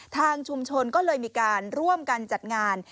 ทางชุมชนก็เลยมีการร่วมกันจัดงาน